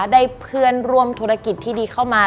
ได้เพื่อนร่วมธุรกิจที่ดีเข้ามา